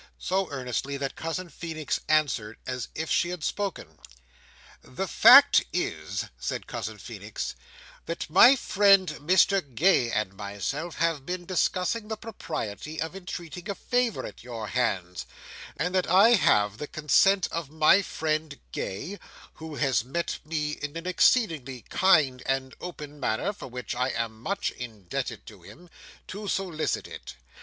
So earnestly, that Cousin Feenix answered, as if she had spoken. "The fact is," said Cousin Feenix, "that my friend Gay and myself have been discussing the propriety of entreating a favour at your hands; and that I have the consent of my friend Gay—who has met me in an exceedingly kind and open manner, for which I am very much indebted to him—to solicit it.